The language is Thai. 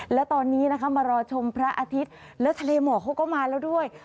และตอนนี้นะคะมารอชมพระอาทิตย์แล้วทะเลหมอกเขาก็มาแล้วด้วย